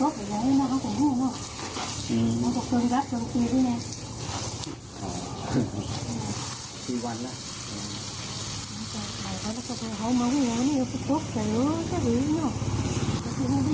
ก่อนเกิดเกสนี่เขาได้ยินเสียงอะไร